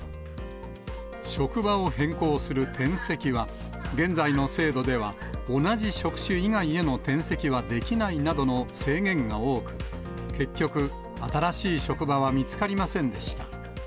職場を変更する転籍は、現在の制度では、同じ職種以外への転籍はできないなどの制限が多く、結局、新しい職場は見つかりませんでした。